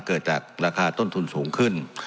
เกิดจากราคาต้นทุนสูงขึ้น